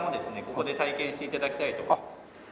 ここで体験して頂きたいと。